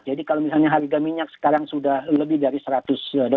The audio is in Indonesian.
jadi kalau misalnya harga minyak sekarang sudah lebih dari seratus dolar